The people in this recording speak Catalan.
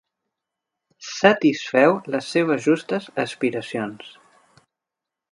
Satisfeu les seves justes aspiracions.